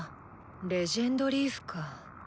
「レジェンドリーフ」か。